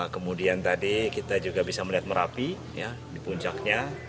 kemudian tadi kita juga bisa melihat merapi di puncaknya